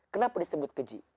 kenapa disebut keji